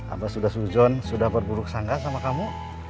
apa sudah suzon sudah berburuk sangga sama kamu